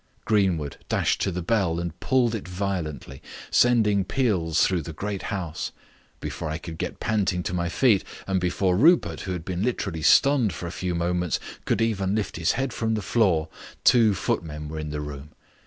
Greenwood dashed to the bell and pulled it violently, sending peals through the great house. Before I could get panting to my feet, and before Rupert, who had been literally stunned for a few moments, could even lift his head from the floor, two footmen were in the room.